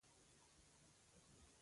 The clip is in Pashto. ځینې نېغ په نېغه روایت پسې لاړل.